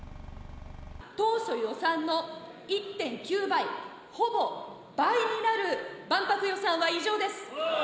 当初予算の１．９倍、ほぼ倍になる万博予算は異常です。